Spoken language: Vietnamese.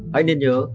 hãy nên nhớ